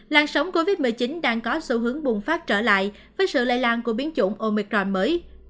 lan sóng covid một mươi chín đang có xu hướng bùng phát trở lại với sự lây lan của biến chủng omicron mới